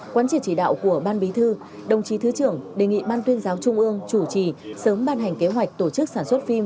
quán triệt chỉ đạo của ban bí thư đồng chí thứ trưởng đề nghị ban tuyên giáo trung ương chủ trì sớm ban hành kế hoạch tổ chức sản xuất phim